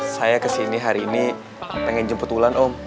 saya kesini hari ini pengen jemput bulan om